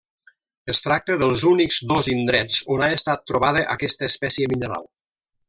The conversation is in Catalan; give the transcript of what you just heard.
Es tracta dels únics dos indrets on ha estat trobada aquesta espècie mineral.